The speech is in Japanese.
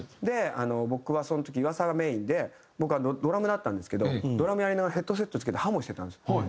で僕はその時岩沢がメインで僕はドラムだったんですけどドラムやりながらヘッドセット着けてハモしてたんです。